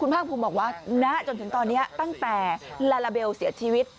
ภาพบอกว่าตั้งแต่ลาราเบลเสียชีวิต